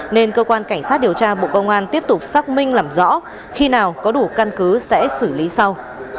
nên cơ quan cảnh sát điều tra bộ công an tiếp tục xác minh làm rõ khi nào có đủ căn cứ sẽ xử lý sau